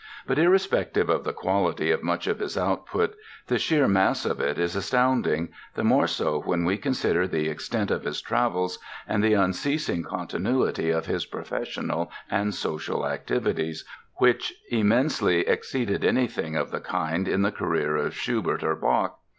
But irrespective of the quality of much of his output, the sheer mass of it is astounding, the more so when we consider the extent of his travels and the unceasing continuity of his professional and social activities, which immensely exceeded anything of the kind in the career of Schubert or Bach.